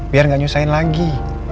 biar gak nyusahin lagi